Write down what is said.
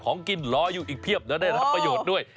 ของกินรออยู่อีกเพียบแล้วได้รับประโยชน์ด้วย